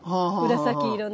紫色の。